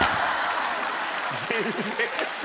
全然。